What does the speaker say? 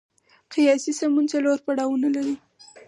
قیاسي سمون څلور پړاوونه لري.